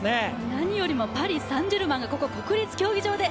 何よりもパリ・サン＝ジェルマンがここ、国立競技場で！